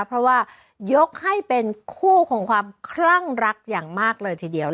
เพราะว่ายกให้เป็นคู่ของความคลั่งรักอย่างมากเลยทีเดียว